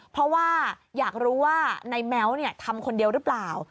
เพราะว่าอยากรู้ว่าในแม้วทำคนเดียวหรือเปล่า